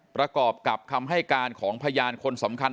ประกอบกับคำให้การของพยานคนสำคัญ